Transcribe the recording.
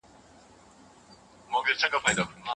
بالاخره آس د کوهي تر خولې پورې راورسېد.